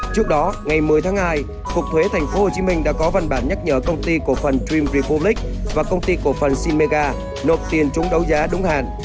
trước đó ngày một mươi tháng hai cục thuế tp hcm đã có văn bản nhắc nhở công ty cổ phần dream republic và công ty cổ phần symmega nộp tiền trúng đấu giá đúng hạn